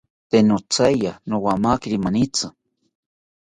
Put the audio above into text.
Tee nothaye nowamakiri manitzi